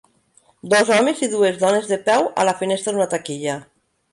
Dos homes i dues dones de peu a la finestra d'una taquilla.